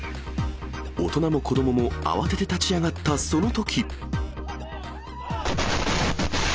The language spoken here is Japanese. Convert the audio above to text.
大人も子どもも慌てて立ち上がったそのとき。